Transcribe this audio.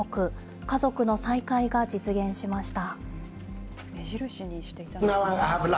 家族の再会が実現しました。